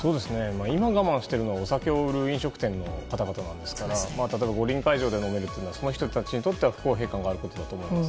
今我慢しているのはお酒を売る飲食店の方々ですから例えば五輪会場で飲むとその人たちにとっては不公平感があると思います。